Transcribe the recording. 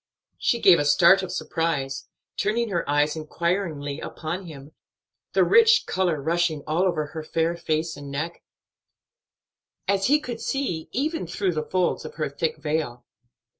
She gave a start of surprise, turning her eyes inquiringly upon him, the rich color rushing all over her fair face and neck; as he could see, even through the folds of her thick veil.